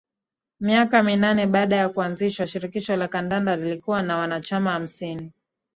Miaka minane baada ya kuanzishwa Shirikisho la Kandanda lilikuwa na wanachama hamsini